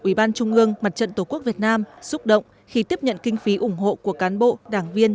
ubnd mặt trận tổ quốc việt nam xúc động khi tiếp nhận kinh phí ủng hộ của cán bộ đảng viên